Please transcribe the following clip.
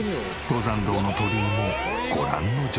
登山道の鳥居もご覧の状態。